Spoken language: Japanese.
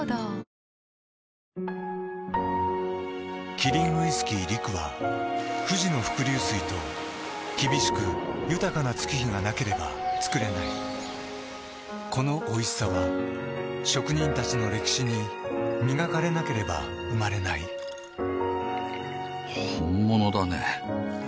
キリンウイスキー「陸」は富士の伏流水と厳しく豊かな月日がなければつくれないこのおいしさは職人たちの歴史に磨かれなければ生まれない本物だね。